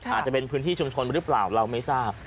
อาจจะเป็นพื้นที่ชุมชนหรือเปล่าเราไม่ทราบ